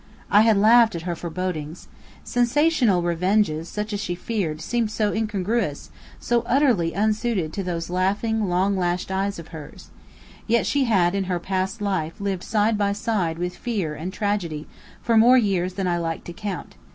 I had laughed at her forebodings. Sensational revenges such as she feared seemed so incongruous, so utterly unsuited to those laughing, long lashed eyes of hers! Yet she had in her past life lived side by side with fear and tragedy for more years than I liked to count.